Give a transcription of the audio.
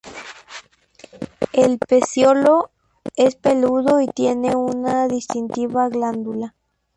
El peciolo es peludo y tiene una distintiva glándula.